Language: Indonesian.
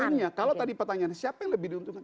poinnya kalau tadi pertanyaan siapa yang lebih diuntungkan